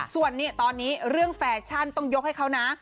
ส่วนนี้ตอนนี้เรื่องแฟชั่นต้องยกให้เขานะ